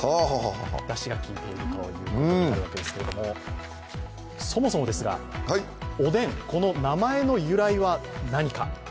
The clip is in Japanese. だしが効いているということなわけですけれども、そもそもですが、おでん、この名前の由来は何か。